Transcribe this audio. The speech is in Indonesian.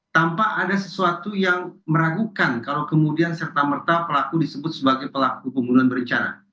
tanpa ada sesuatu yang meragukan kalau kemudian serta merta pelaku disebut sebagai pelaku pembunuhan berencana